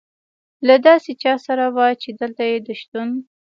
له داسې چا سره وه، چې دلته یې د شتون.